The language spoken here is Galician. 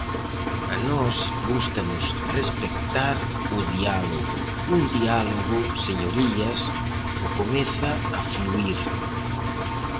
A nós gústanos respectar o diálogo; un diálogo, señorías, que comeza a fluír.